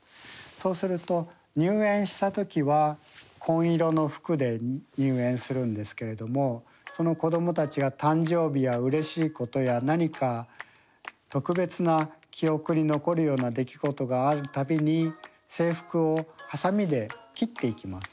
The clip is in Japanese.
そうすると入園した時は紺色の服で入園するんですけれどもその子どもたちが誕生日やうれしいことや何か特別な記憶に残るような出来事がある度に制服をハサミで切っていきます。